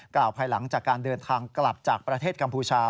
ภายหลังจากการเดินทางกลับจากประเทศกัมพูชา